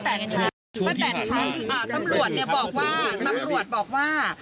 ป้าแตนครับตำรวจบอกว่า